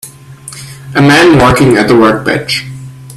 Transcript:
A man working at a workbench.